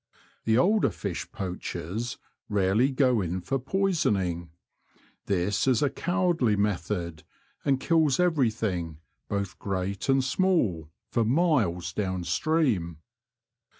The older fish poachers rarely go in for poisoning. This is a cowardly method, and kills everything, both great and small, for miles down stream.